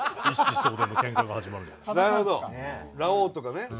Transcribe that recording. ラオウとかね。